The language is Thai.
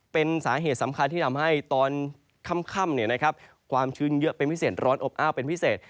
เป็นสาเหตุสำคัญที่ทำให้ตอนค่ำความชื้นเยอะเป็นพิเศษร้อนอบอ้าวเป็นพิเศษ